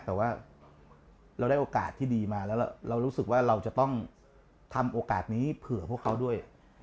แต่ว่าเราได้โอกาสที่ดีมาแล้วเรารู้สึกว่าเราจะต้องทำโอกาสนี้เผื่อพวกเขาด้วย